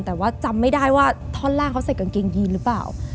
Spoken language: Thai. แต่ว่าจำไม่ได้ว่าท่อนล่างเขาใส่กางเกงยีนหรือเปล่า